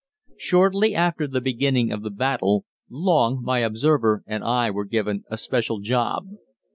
Shortly after the beginning of the battle, Long, my observer, and I were given a special job.